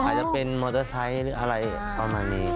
อาจจะเป็นมอเตอร์ไซค์หรืออะไรประมาณนี้